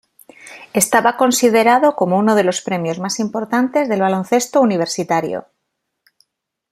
Estaba considerado como uno de los premios más importantes del baloncesto universitario.